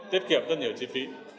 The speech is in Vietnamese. tiết kiệm rất nhiều chi phí